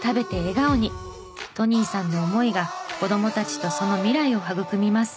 トニーさんの思いが子どもたちとその未来を育みます。